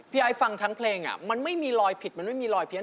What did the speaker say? ไอ้ฟังทั้งเพลงมันไม่มีรอยผิดมันไม่มีรอยเพี้ย